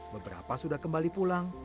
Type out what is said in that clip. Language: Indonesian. beberapa sudah kembali pulang